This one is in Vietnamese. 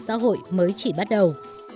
xã hội mới chỉ bắt đầu